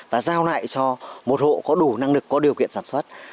và giao lại cho một hộ có đủ năng lực có điều kiện sản xuất